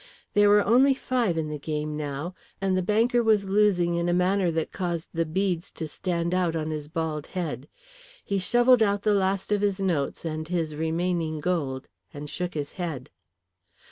There were only five in the game now, and the banker was losing in a manner that caused the beads to stand out on his bald head. He shovelled out the last of his notes and his remaining gold and shook his head.